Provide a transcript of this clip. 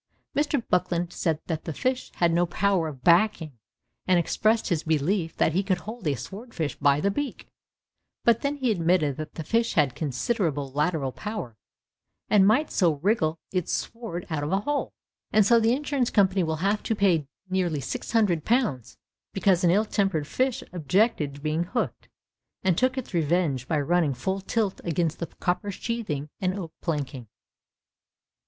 Mr. Buckland said that fish have no power of 'backing,' and expressed his belief that he could hold a sword fish by the beak; but then he admitted that the fish had considerable lateral power, and might so 'wriggle its sword out of a hole.' And so the insurance company will have to pay nearly six hundred pounds because an ill tempered fish objected to be hooked, and took its revenge by running full tilt against copper sheathing and oak planking.